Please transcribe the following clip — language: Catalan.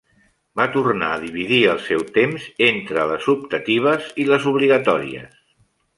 Va tornar a dividir el seu temps entre les optatives i les obligatòries.